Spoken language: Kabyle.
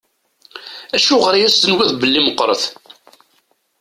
Acuɣer i as-tenwiḍ belli meqqṛet?